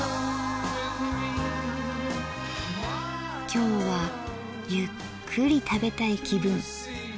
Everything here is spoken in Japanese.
今日はゆっくり食べたい気分。